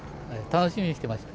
楽しみにしてました。